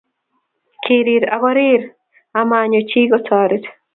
kirir ako rir amanyo chii kotoret